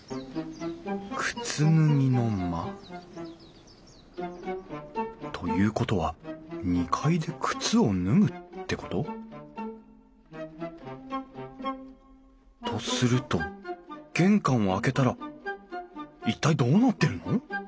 靴脱ぎの間。ということは２階で靴を脱ぐってこと？とすると玄関を開けたら一体どうなってるの？